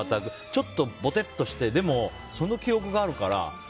ちょっとボテッとしてでも、その記憶があるから。